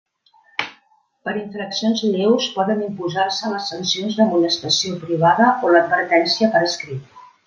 Per infraccions lleus poden imposar-se les sancions d'amonestació privada o la d'advertència per escrit.